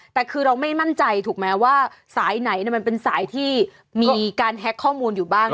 แต่คือเราไม่มั่นใจถูกไหมว่าสายไหนมันเป็นสายที่มีการแฮ็กข้อมูลอยู่บ้าง